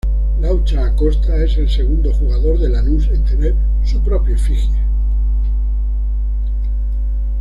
Laucha Acosta es el segundo jugador de Lanús en tener su propia efigie.